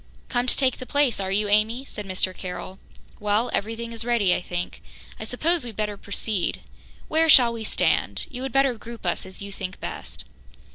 "Come to take the place, are you, Amy?" said Mr. Carroll. "Well, everything is ready, I think. I suppose we'd better proceed. Where shall we stand? You had better group us as you think best."